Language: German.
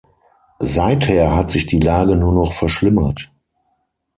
Seither hat sich die Lage nur noch verschlimmert.